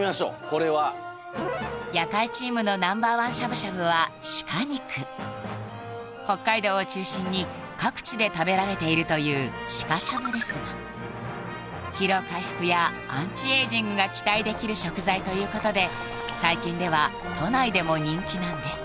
これは夜会チームのＮｏ．１しゃぶしゃぶは北海道を中心に各地で食べられているというシカしゃぶですが疲労回復やアンチエイジングが期待出来る食材ということで最近では都内でも人気なんです